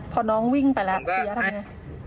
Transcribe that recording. พอน้องวิ่งไปแล้วเสียทำไง